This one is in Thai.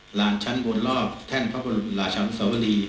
หลานชั้นบนรอบแท่นพระบริมูลหลาชันศาวรี